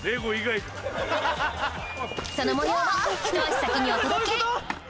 その模様を一足先にお届け！